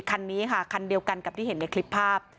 คันนี้ค่ะคันเดียวกันกับที่เห็นในคลิปภาพ